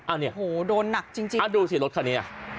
อันนี้เดินหนักจริงดูซิรถคันนี้